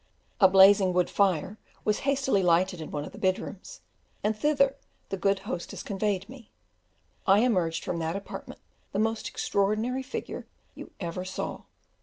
A blazing wood fire was hastily lighted in one of the bed rooms, and thither the good hostess conveyed me. I emerged from that apartment the most extraordinary figure you ever saw.